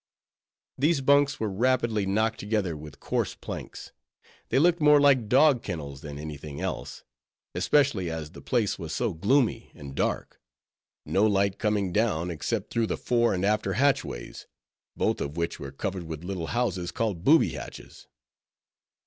These bunks were rapidly knocked together with coarse planks. They looked more like dog kennels than any thing else; especially as the place was so gloomy and dark; no light coming down except through the fore and after hatchways, both of which were covered with little houses called _"booby hatches."